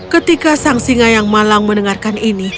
ketika sang singa yang malang mendengarkan ini